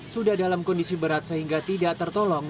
sudah dalam kondisi berat sehingga tidak tertolong